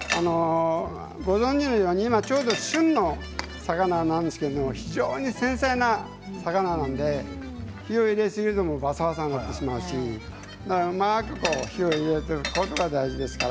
ご存じのように今ちょうど旬の魚なんですけれども非常に繊細な魚なので火を入れすぎるとバサバサになってしまうしだから、うまく火を入れていくことが大事ですから。